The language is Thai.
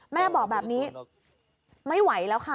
แม่บอกแบบนี้ไม่ไหวแล้วค่ะ